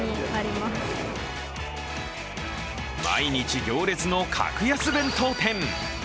毎日行列の格安弁当店。